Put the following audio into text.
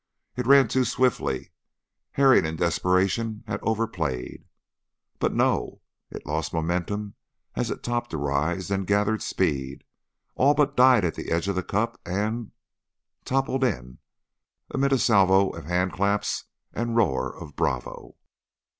It ran too swiftly! Herring, in desperation, had overplayed! But no it lost momentum as it topped a rise, then gathered speed, all but died at the edge of the cup and toppled in amid a salvo of handclaps and roar of "Bravo!"